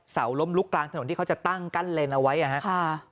ล้มลุกกลางถนนที่เขาจะตั้งกั้นเลนเอาไว้นะครับ